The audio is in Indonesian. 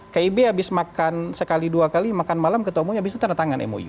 kib habis makan sekali dua kali makan malam ketemu habis itu tanda tangan mou